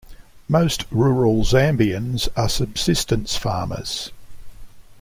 Most rural Zambians are subsistence farmers.